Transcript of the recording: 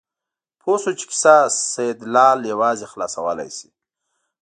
پوه شو چې کیسه سیدلال یوازې خلاصولی شي.